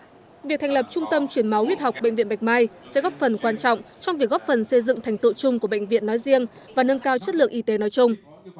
vì vậy việc thành lập trung tâm chuyển máu huyết học bệnh viện bạch mai sẽ góp phần quan trọng trong việc góp phần xây dựng thành tựu chung của bệnh viện nói riêng và nâng cao chất lượng y tế nói chung